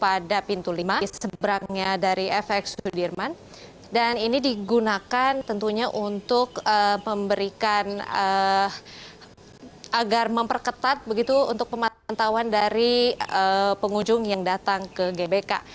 pada pintu lima seberangnya dari fx sudirman dan ini digunakan tentunya untuk memberikan agar memperketat begitu untuk pemantauan dari pengunjung yang datang ke gbk